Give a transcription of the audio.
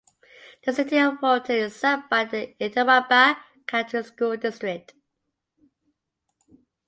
The City of Fulton is served by the Itawamba County School District.